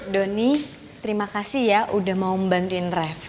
donny terima kasih ya udah mau membantuin reva